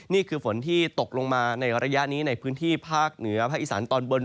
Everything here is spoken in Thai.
นี่คือฝนที่ตกลงมาในระยะนี้ในพื้นที่ภาคเหนือภาคอีสานตอนบน